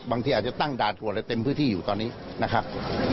บางทีอาจจะตั้งด่านตรวจอะไรเต็มพื้นที่อยู่ตอนนี้นะครับ